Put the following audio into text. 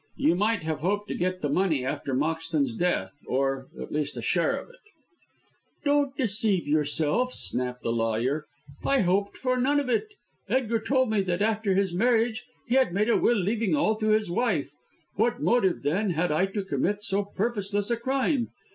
"You might have hoped to get the money after Moxton's death, or, at least, a share of it." "Don't deceive yourself," snapped the lawyer. "I hoped for none of it. Edgar told me that, after his marriage, he had made a will leaving all to his wife. What motive, then, had I to commit so purposeless a crime.